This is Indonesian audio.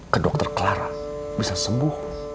ke dokter clara bisa sembuh